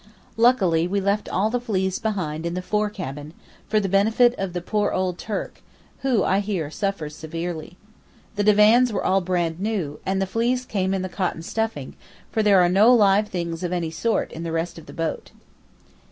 Luckily we left all the fleas behind in the fore cabin, for the benefit of the poor old Turk, who, I hear, suffers severely. The divans were all brand new, and the fleas came in the cotton stuffing, for there are no live things of any sort in the rest of the boat.